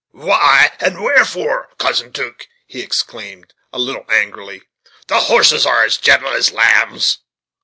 "Why, and wherefore. Cousin 'Duke?" he exclaimed, a little angrily; "the horses are gentle as lambs.